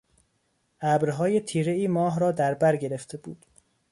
ابرهای تیرهای ماه را دربر گرفته بود